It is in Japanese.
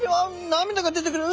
涙が出てくる。